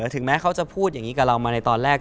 ถึงแม้เขาจะพูดอย่างนี้กับเรามาในตอนแรก